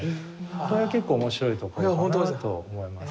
これは結構面白いところかなと思います。